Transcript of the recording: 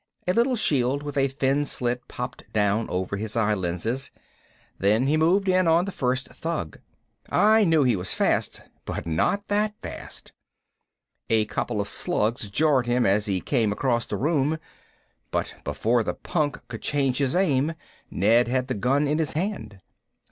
A little shield with a thin slit popped down over his eye lenses. Then he moved in on the first thug. I knew he was fast, but not that fast. A couple of slugs jarred him as he came across the room, but before the punk could change his aim Ned had the gun in his hand.